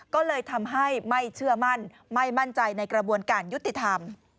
ก็เลยทำให้ไม่เชื่อมั่นไม่มั่นใจในกระบวนการยุติธรรม